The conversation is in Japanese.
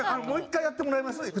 もう１回やってもらえます？